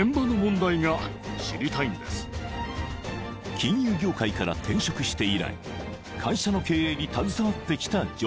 ［金融業界から転職して以来会社の経営に携わってきたジョン］